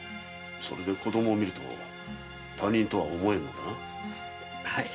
それで子供を見ると他人とは思えぬのだな？